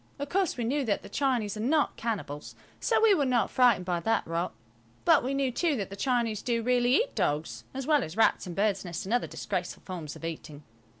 Of course, we knew that the Chinese are not cannibals, so we were not frightened by that rot; but we knew, too, that the Chinese do really eat dogs, as well as rats and birds' nests and other disgraceful forms of eating.